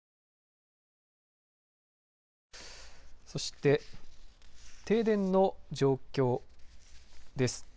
そして、停電の状況です。